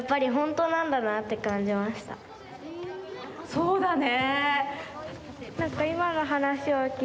そうだね。